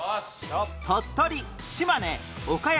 鳥取島根岡山